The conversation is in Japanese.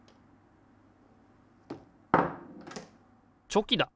チョキだ！